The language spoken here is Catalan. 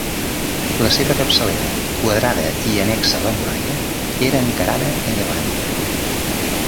La seva capçalera, quadrada i annexa a la muralla, era encarada a llevant.